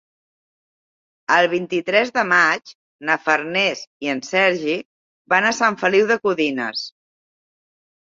El vint-i-tres de maig na Farners i en Sergi van a Sant Feliu de Codines.